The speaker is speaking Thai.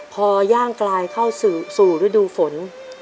อย่างกลายเข้าสู่ฤดูฝน